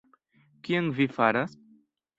Kion vi faras?